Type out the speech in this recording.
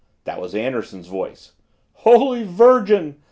that was Anderson's voice "Holy Virgin!"